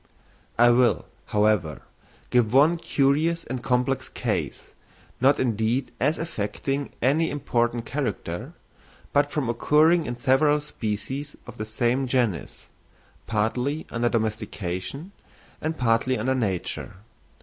I will, however, give one curious and complex case, not indeed as affecting any important character, but from occurring in several species of the same genus, partly under domestication and partly under nature.